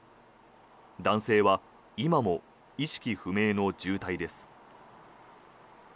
男性は今も意識不明の重体です。